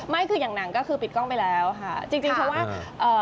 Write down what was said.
ไม่คืออย่างหนังก็คือปิดกล้องไปแล้วค่ะจริงจริงเพราะว่าเอ่อ